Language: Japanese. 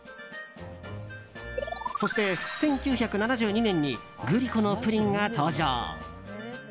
そして、１９７２年にグリコのプリンが登場。